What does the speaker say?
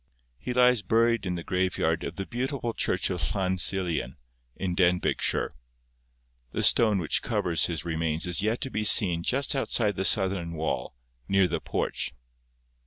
He lies buried in the graveyard of the beautiful church of Llan Silien, in Denbigshire. The stone which covers his remains is yet to be seen just outside the southern wall, near the porch.